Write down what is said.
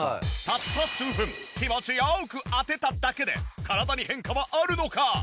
たった数分気持ちよく当てただけで体に変化はあるのか！？